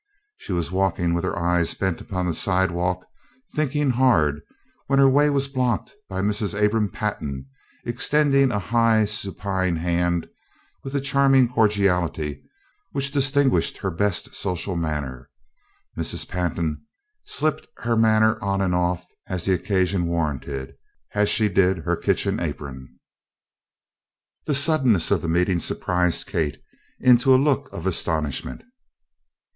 She was walking with her eyes bent upon the sidewalk, thinking hard, when her way was blocked by Mrs. Abram Pantin extending a high supine hand with the charming cordiality which distinguished her best social manner. Mrs. Pantin slipped her manner on and off, as the occasion warranted, as she did her kitchen apron. The suddenness of the meeting surprised Kate into a look of astonishment.